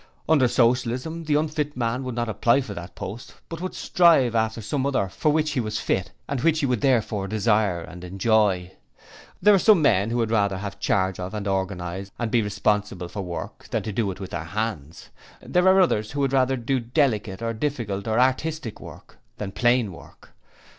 Under Socialism the unfit man would not apply for that post but would strive after some other for which he was fit and which he would therefore desire and enjoy. There are some men who would rather have charge of and organize and be responsible for work than do it with their hands. There are others who would rather do delicate or difficult or artistic work, than plain work.